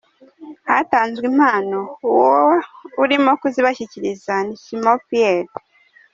Hatanzwe impano, uwo urimo kuzibashyikiriza ni Simon Pierre.